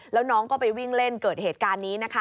แล้วน้องก็ไปวิ่งเล่นเกิดเหตุการณ์นี้นะคะ